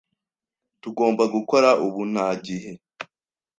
"Tugomba gukora ubu." "Nta gihe."